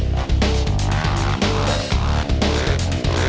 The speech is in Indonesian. kau kamu bonk macam mah